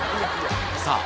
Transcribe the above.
さあ